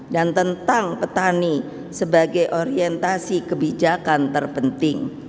dan tentang petani sebagai orientasi kebijakan terpenting